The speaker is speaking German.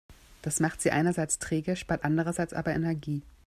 Das macht sie einerseits träge, spart andererseits aber Energie.